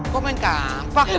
kok main kampak